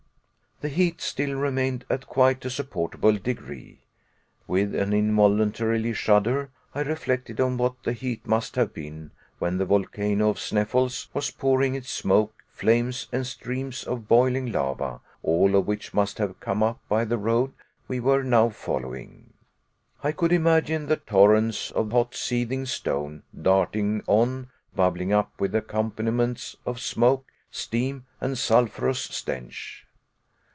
The heat still remained at quite a supportable degree. With an involuntary shudder, I reflected on what the heat must have been when the volcano of Sneffels was pouring its smoke, flames, and streams of boiling lava all of which must have come up by the road we were now following. I could imagine the torrents of hot seething stone darting on, bubbling up with accompaniments of smoke, steam, and sulphurous stench!